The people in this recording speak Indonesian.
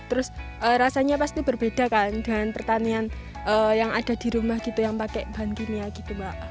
terus rasanya pasti berbeda kan dengan pertanian yang ada di rumah gitu yang pakai bahan kimia gitu mbak